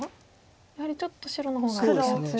やはりちょっと白の方が手厚い。